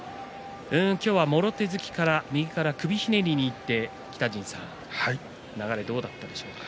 今日はもろ手突きから右から首ひねりにいって北陣さん、流れはどうだったでしょうか。